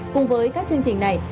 cùng với các chương trình này